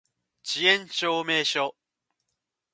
遅延証明書